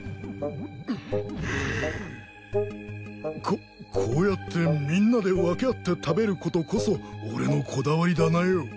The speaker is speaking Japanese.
ここうやってみんなで分け合って食べることこそ俺のこだわりだなよ。